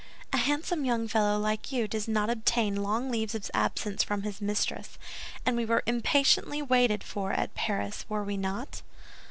"A handsome young fellow like you does not obtain long leaves of absence from his mistress; and we were impatiently waited for at Paris, were we not?"